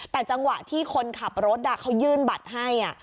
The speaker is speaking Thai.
แต่จังหวะที่คนขับรถเขายื่นบัตรให้